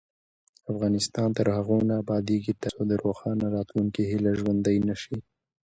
افغانستان تر هغو نه ابادیږي، ترڅو د روښانه راتلونکي هیله ژوندۍ نشي.